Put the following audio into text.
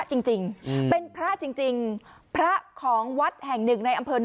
จริงจริงอืมเป็นพระจริงจริงพระของวัดแห่งหนึ่งในอำเภอ